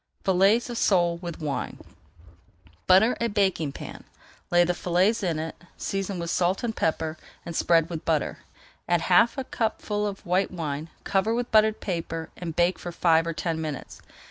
FILLETS OF SOLE WITH WINE Butter a baking pan, lay the fillets in it, season with salt and pepper, and spread with butter. Add half a cupful of white wine, cover with buttered paper, and bake for five or ten minutes.